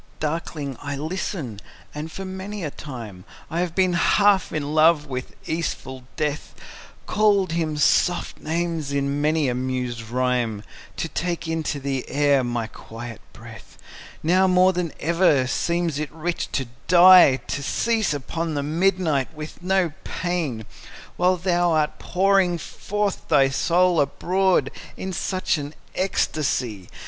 Darkling I listen; and, for many a time I have been half in love with easeful Death, Called him soft names in many a mused rhyme, To take into the air my quiet breath; Now more than ever seems it rich to die, To cease upon the midnight with no pain, While thou art pouring forth thy soul abroad In such an ecstasy!